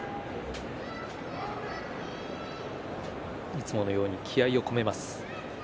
いつものように気合いを込めます。